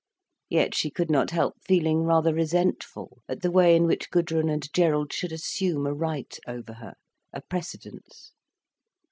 Yet she could not help feeling rather resentful at the way in which Gudrun and Gerald should assume a right over her, a precedence.